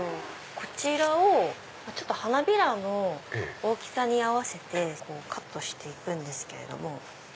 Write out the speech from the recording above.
こちらを花びらの大きさに合わせてカットして行くんですけれども。